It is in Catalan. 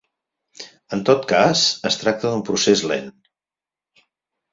En tot cas, es tracta d’un procés lent.